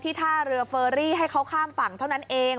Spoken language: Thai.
ท่าเรือเฟอรี่ให้เขาข้ามฝั่งเท่านั้นเอง